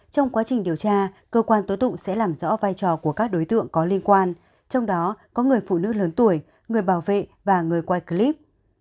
trong quá trình điều tra cơ quan tố tụng sẽ làm rõ vai trò của các đối tượng có liên quan trong đó có người phụ nữ lớn tuổi người bảo vệ và người quay clip